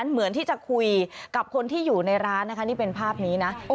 เหมือนที่จะคุยกับคนที่อยู่ในร้านนะคะนี่เป็นภาพนี้นะ